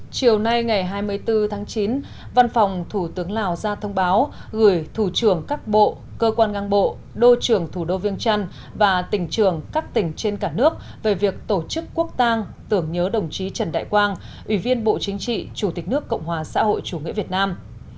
chiều nay ngày hai mươi bốn tháng chín văn phòng thủ tướng lào ra thông báo gửi thủ trưởng các bộ cơ quan ngang bộ đô trưởng thủ đô viêng trăn và tỉnh trường các tỉnh trên cả nước về việc tổ chức quốc tang tưởng nhớ đồng chí trần đại quang ủy viên bộ chính trị chủ tịch nước cộng hòa xã hội chủ nghĩa việt nam